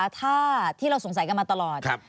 ถ้าที่เราสงสัยกันมาตลอด